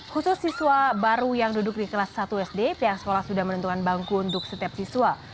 khusus siswa baru yang duduk di kelas satu sd pihak sekolah sudah menentukan bangku untuk setiap siswa